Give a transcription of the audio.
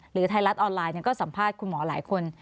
ไทยรัฐออนไลน์ก็สัมภาษณ์คุณหมอหลายคน